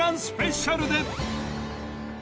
スペシャルで！